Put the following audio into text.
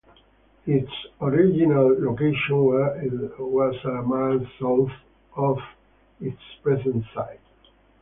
Its original location was a mile south of its present site.